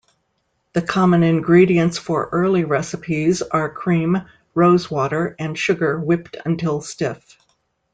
The common ingredients for early recipes are cream, rosewater and sugar, whipped until stiff.